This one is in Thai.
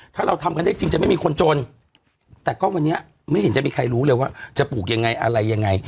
ถ้าเราทำกันได้จริงจะไม่มีคนจนแต่ก็วันนี้ไม่เห็นจะมีใครรู้เลยว่าจะปลูกยังไงอะไรยังไง